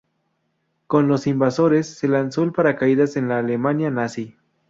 Con los invasores, se lanzó en paracaídas en la Alemania nazi.